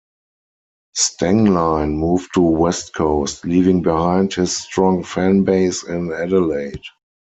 Stenglein moved to West Coast leaving behind his strong fan base in Adelaide.